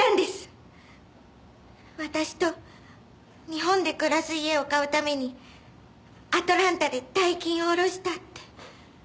私と日本で暮らす家を買うためにアトランタで大金をおろしたって。